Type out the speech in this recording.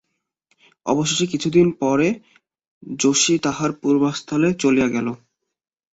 অবশেষে কিছুদিন পরে যশি তাহার পূর্বস্থানে চলিয়া গেল।